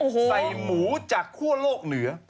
ใส่หมูจากคั่วโลกเหนือ